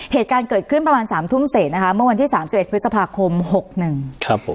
เหตุการณ์เกิดขึ้นประมาณสามทุ่มเศษนะคะเมื่อวันที่สามสิบเอ็ดพฤษภาคมหกหนึ่งครับผม